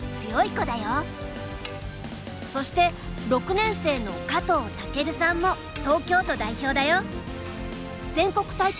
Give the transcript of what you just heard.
そして６年生の加藤威さんも東京都代表だよ。